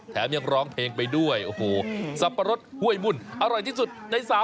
แถมยังร้องเพลงไปด้วยโอ้โหสับปะรดห้วยมุ่นอร่อยที่สุดในสาว